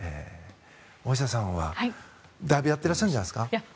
大下さんはだいぶやっていらっしゃるんじゃないですか？